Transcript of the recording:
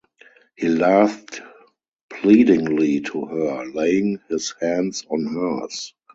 He laughed pleadingly to her, laying his hands on hers.